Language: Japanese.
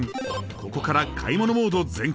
ここから買い物モード全開。